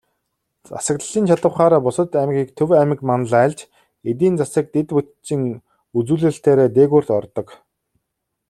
Засаглалын чадавхаараа бусад аймгийг Төв аймаг манлайлж, эдийн засаг, дэд бүтцийн үзүүлэлтээрээ дээгүүрт ордог.